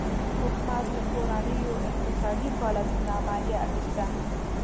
حکومت له کورنیو اقتصادي فعالیتونو مالیه اخیسته.